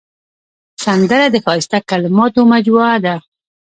سندره د ښایسته کلماتو مجموعه ده